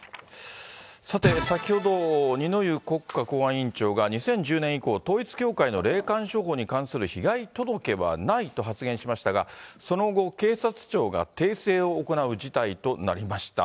さて、先ほど二之湯国家公安委員長が２０１０年以降、統一教会の霊感商法に関する被害届はないと発言しましたが、その後、警察庁が訂正を行う事態となりました。